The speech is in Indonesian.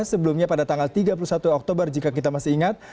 sebelumnya pada tanggal tiga puluh satu oktober jika kita masih ingat